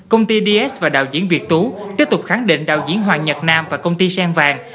công ty ds và đạo diễn việt tú tiếp tục khẳng định đạo diễn hoàng nhật nam và công ty sen vàng